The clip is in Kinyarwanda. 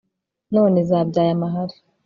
none zabyaye amahari